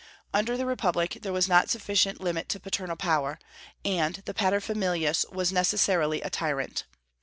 Under the republic there was not sufficient limit to paternal power, and the pater familias was necessarily a tyrant.